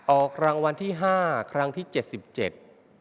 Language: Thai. ออกรางวัลที่ห้าครั้งที่เจ็ดสิบเจ็ด